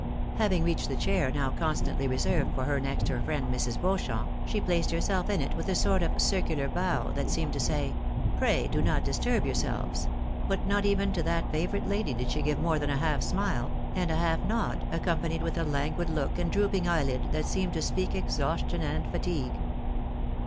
MES. EAENABY EXCITES ANXIETY. 151 Having reached the chair now constantly reserved for her next her friend Mrs. Beaucliamp, she placed herself in it with a sort of circular bow that seemed to say, '' Pray do not disturb yourselves ;" but not even to that favoured lady did she give more than half a smile, and half a nod, accompanied with a languid look and drooping eyelid that seemed to speak exhaustion and fatigue.